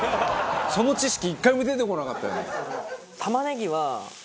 その知識１回も出てこなかったよね。